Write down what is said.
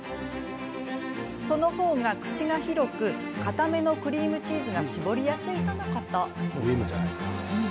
その方が、口が広くかためのクリームチーズが絞りやすいとのこと。